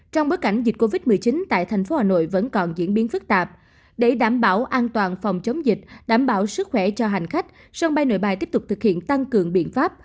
trong bối cảnh dịch covid một mươi chín tại thành phố hà nội vẫn còn diễn biến phức tạp để đảm bảo an toàn phòng chống dịch đảm bảo sức khỏe cho hành khách sân bay nội bài tiếp tục thực hiện tăng cường biện pháp